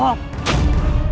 kau tidak mencintai rangga soka